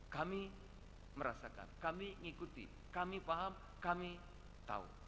kami merasakan kami mengikuti kami paham kami tahu